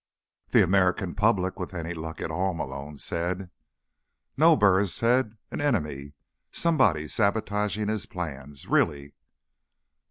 "The American public, with any luck at all," Malone said. "No," Burris said. "An enemy. Somebody sabotaging his plans. Really."